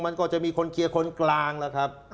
มันก็จะมีคนเคลียร์คนกลางแล้วครับ